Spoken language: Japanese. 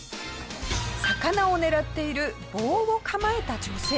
魚を狙っている棒を構えた女性。